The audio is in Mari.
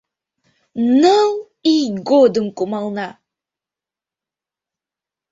«НЫЛ ИЙ ГОДЫМ КУМАЛНА...»